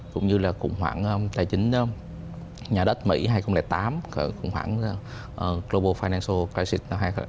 cũng như là khủng hoảng tài chính nhà đất mỹ hai nghìn tám khủng hoảng global financial crisis hai nghìn tám